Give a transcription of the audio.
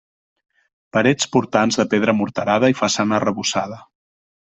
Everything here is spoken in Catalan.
Parets portants de pedra morterada i façana arrebossada.